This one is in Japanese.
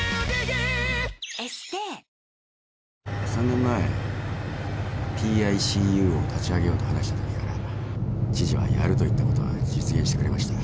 ３年前ＰＩＣＵを立ち上げようと話したときから知事はやると言ったことは実現してくれました。